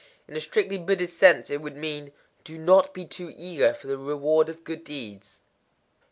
In a strictly Buddhist sense it would mean, "Do not be too eager for the reward of good deeds."